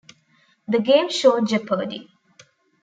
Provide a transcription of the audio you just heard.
The game show Jeopardy!